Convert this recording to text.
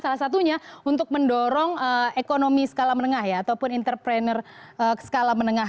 salah satunya untuk mendorong ekonomi skala menengah ya ataupun entrepreneur skala menengah